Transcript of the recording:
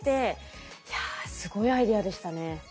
いやすごいアイデアでしたね。